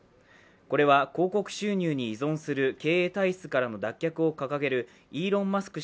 これは、広告収入に依存する経営体質からの脱却を掲げるイーロン・マスク